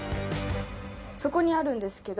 そこにあるんですけど。